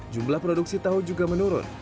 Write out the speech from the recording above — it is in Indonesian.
jumlah produksi tahu juga menurun